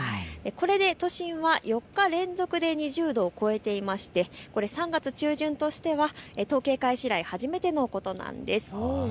これで都心は４日連続で２０度を超えていて３月中旬としては統計開始以来、初めてのことなんです。